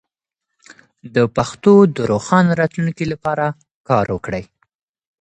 د پښتو د روښانه راتلونکي لپاره کار وکړئ.